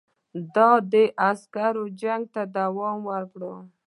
د ده عسکرو جنګ ته دوام ورکړ.